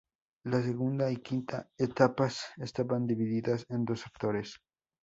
La segunda y la quinta etapas estabas divididas en dos sectores.